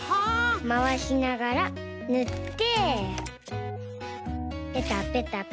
まわしながらぬってペタペタペタ。